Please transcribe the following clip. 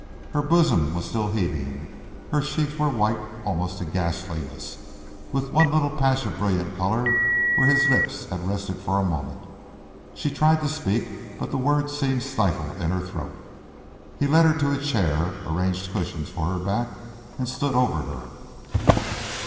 Her bosom was still heaving, her cheeks were white almost to ghastliness, with one little patch of brilliant color where his lips had rested for a moment. She tried to speak, but the words seemed stifled in her throat. He led her to a chair, arranged cushions for her back, and stood over her.